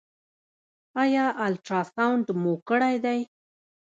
ایا الټراساونډ مو کړی دی؟